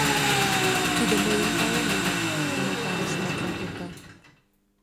— Тиде мыйын палымем, — умылтарыш Матра кока.